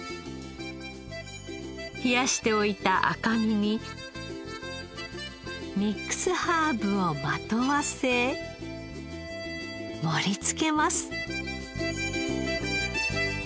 冷やしておいた赤身にミックスハーブをまとわせ盛り付けます。